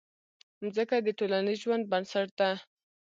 مځکه د ټولنیز ژوند بنسټ ده.